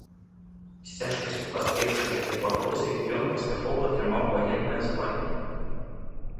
З цяжкасцю пазбегшы гэтай пагрозы, ён паспяхова атрымаў ваеннае званне.